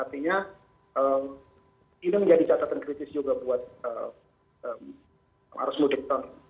artinya ini menjadi catatan kritis juga buat arus mudik tahun